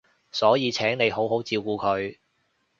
所以請你好好照顧佢